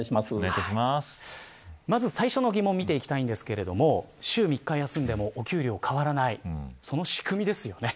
まず最初の疑問を見ていきたいんですが週３日休んでも給料が変わらないその仕組みですよね。